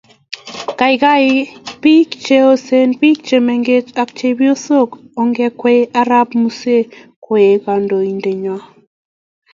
Gaigai, biik cheyosen, biik chemengech ago chepyosok, ongekwei arap muzee koek kandoindenyo